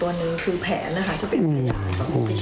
แต่ก็ยังแปลกใจแปลกใจมากเลยแหละ